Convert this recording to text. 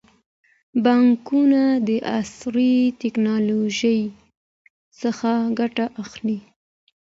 بانکونه د عصري ټکنالوژۍ څخه ګټه اخلي.